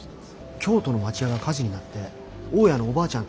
京都の町家が火事になって大家のおばあちゃん